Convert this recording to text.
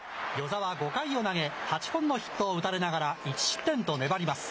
與座は５回を投げ、８本のヒットを打たれながら、１失点と粘ります。